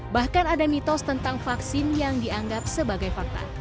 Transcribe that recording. bahkan ada mitos tentang vaksin yang dianggap sebagai fakta